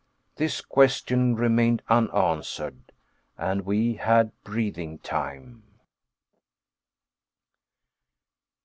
This question remained unanswered. And we had breathing time.